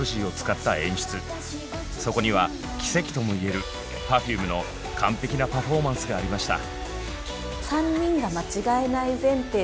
そこには奇跡とも言えるＰｅｒｆｕｍｅの完璧なパフォーマンスがありました。